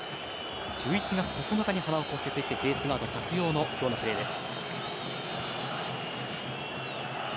１１月９日に鼻を骨折してフェースガード着用での今日のプレーです。